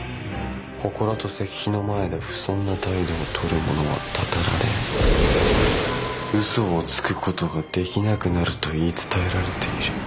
「祠と石碑の前で不遜な態度をとる者は祟られ嘘をつく事ができなくなると言い伝えられている」。